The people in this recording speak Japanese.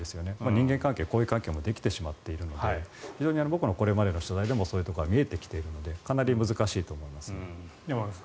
人間関係、交友関係もできてしまっているので僕の取材でもそういうのが見えてきているのでかなり難しいと思います。